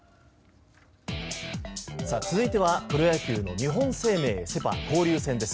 続いてはプロ野球の日本生命セ・パ交流戦です。